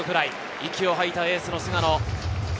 息を吐いたエースの菅野。